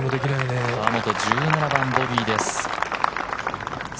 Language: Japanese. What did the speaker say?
河本、１７番ボギーです。